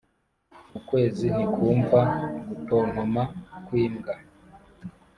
ukwezi ntikwumva gutontoma kw'imbwa.